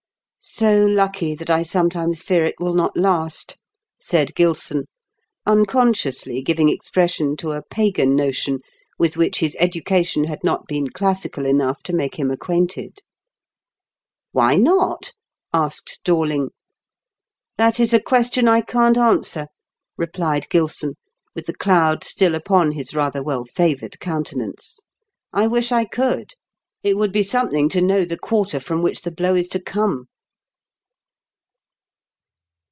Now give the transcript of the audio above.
" So lucky that I sometimes fear it will not last," said GUson, unconsciously giving expression to a pagan notion with which his education had not been classical enough to make, him acquainted. *' Why not ?" asked Doriing. '' That is a question I can't answer," replied Gilson, with the cloud still upon his rather well favoured countenance. " I wish I could. It would be something to know the quarter from which the blow is to come."